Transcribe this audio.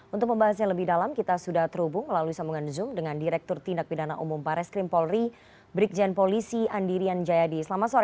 untuk pembahasannya lebih dalam kita sudah terhubung melalui sambungan zoom dengan direktur tindak bidana umum bareskrim polri berikjen polisi andirian jayadi